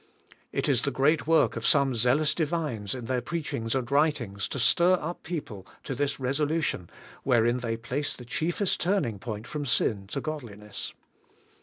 It is the great work of some zealous divines in their preachings and writings to stir up people to this resolution^ wherein they place the chiefest turning point from sin to godliness.